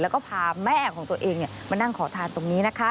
แล้วก็พาแม่ของตัวเองมานั่งขอทานตรงนี้นะคะ